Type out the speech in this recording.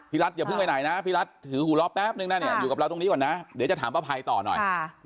รัฐอย่าเพิ่งไปไหนนะพี่รัฐถือหูล้อแป๊บนึงนะเนี่ยอยู่กับเราตรงนี้ก่อนนะเดี๋ยวจะถามป้าภัยต่อหน่อย